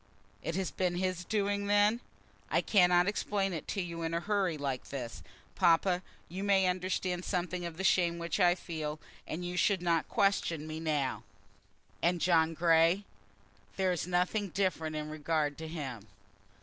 "It has been his doing then?" "I cannot explain it to you in a hurry like this. Papa, you may understand something of the shame which I feel, and you should not question me now." "And John Grey?" "There is nothing different in regard to him."